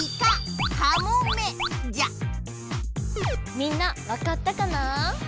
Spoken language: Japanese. みんなわかったかな？